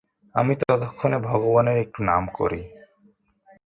আমি ততক্ষণে ভগবানের একটু নাম করি।